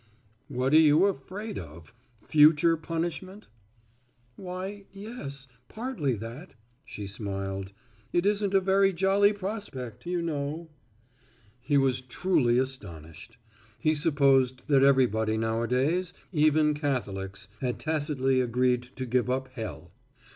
"What are you afraid of future punishment?" "Why, yes, partly that," she smiled; "it isn't a very jolly prospect, you know." He was truly astonished. He supposed that everybody nowadays, even Catholics, had tacitly agreed to give up hell.